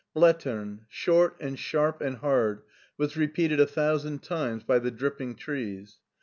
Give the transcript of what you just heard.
"Slattern,'* short and sharp and hard, was repeated a thousand times by the dripping trees.